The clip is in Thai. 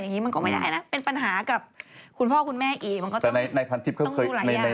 อย่างนี้มันก็ไม่ได้นะเป็นปัญหากับคุณพ่อคุณแม่อีกมันก็ต้องดูหลายอย่าง